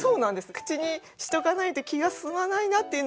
口にしておかないと気が済まないなっていうの。